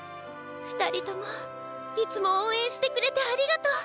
ふたりともいつもおうえんしてくれてありがとう。